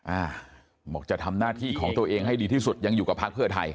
อ่าบอกจะทำหน้าที่ของตัวเองให้ดีที่สุดยังอยู่กับพักเพื่อไทย